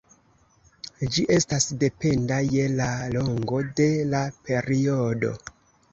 Ĝi estas dependa je la longo de la periodo.